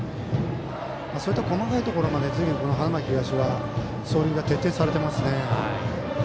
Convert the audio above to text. それと、細かいところまでずいぶん、花巻東は走塁が徹底されていますね。